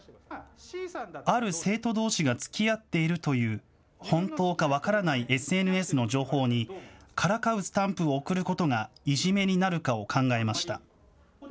ある生徒どうしがつきあっているという、本当か分からないＳＮＳの情報に、からかうスタンプを送ることがいじめになるかを考えました。